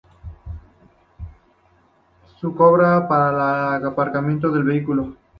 Se cobra el aparcamiento del vehículo.